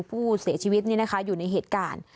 ผู้เสียชีวิตอยู่ในเหตุการณ์